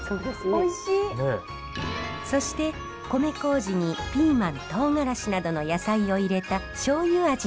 そして米糀にピーマンとうがらしなどの野菜を入れた醤油味のもろみ。